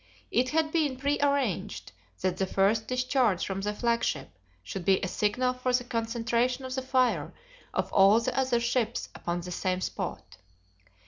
It had been prearranged that the first discharge from the flagship should be a signal for the concentration of the fire of all the other ships upon the same spot.